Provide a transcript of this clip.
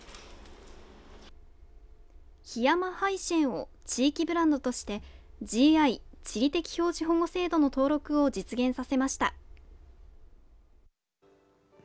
檜山海参を地域ブランドとしてＧＩ＝地理的表示保護制度の登録を実現させました。